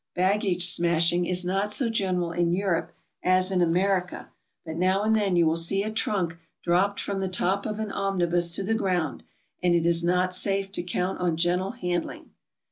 Bag gage smashing is not so general in Europe as in America, but now and then you will see a trunk dropped from the top of an omnibus to the ground, and it is not safe to count on gentle handling.